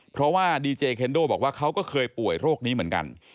เพราะว่าดีเจเคนโดบอกว่าเขาก็เคยป่วยโรคนี้เหมือนกัน